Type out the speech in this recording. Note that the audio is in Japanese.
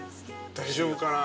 ◆大丈夫かな。